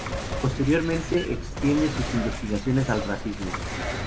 Posteriormente extiende sus investigaciones al racismo.